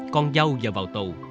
con dâu giờ vào tù